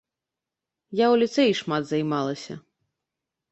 Я ў ліцэі шмат займалася.